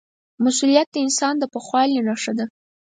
مسؤلیت د انسان د پوخوالي نښه ده.